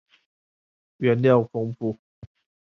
原料豐富